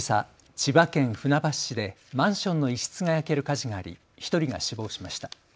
千葉県船橋市でマンションの一室が焼ける火事があり１人が死亡しました。